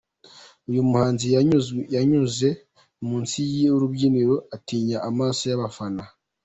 Uyu muhanzi yanyuze munsi y'urubyiniro atinya amaso y'abafana.